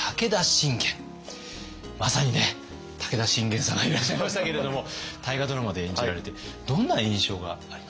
まさにね武田信玄様いらっしゃいましたけれども大河ドラマで演じられてどんな印象がありますか？